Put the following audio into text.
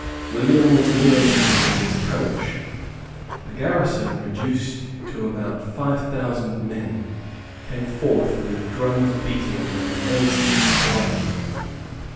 William was near them in his coach. The garrison, reduced to about five thousand men, came forth with drums beating and ensigns flying.